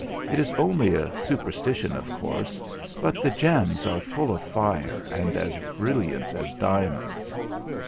It is only a superstition, of course; but the gems are full of fire, and as brilliant as diamonds.'